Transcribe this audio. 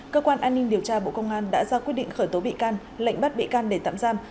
cơ quan an ninh điều tra bộ công an đã ra quyết định khởi tố bị can lệnh bắt bị can để tạm giam